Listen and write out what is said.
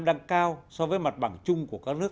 đang cao so với mặt bằng chung của các nước